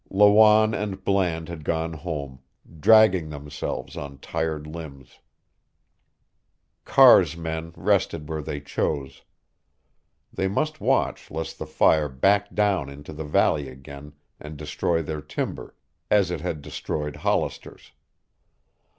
Lawanne and Bland had gone home, dragging themselves on tired limbs. Carr's men rested where they chose. They must watch lest the fire back down into the valley again and destroy their timber, as it had destroyed Hollister's.